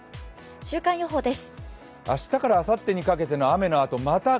週間予報です。